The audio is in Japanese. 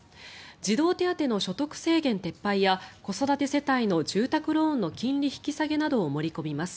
児童手当の所得制限撤廃や子育て世帯の住宅ローンの金利引き下げなどを盛り込みます。